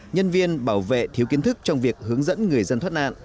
nhân viên bảo vệ thiếu kiến thức trong việc hướng dẫn người dân thoát nạn